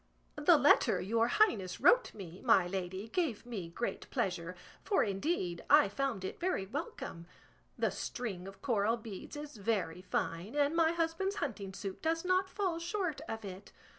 The letter your highness wrote me, my lady, gave me great pleasure, for indeed I found it very welcome. The string of coral beads is very fine, and my husband's hunting suit does not fall short of it.